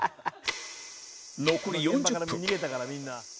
残り４０分